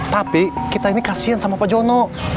tapi kita ini kasian sama pak jono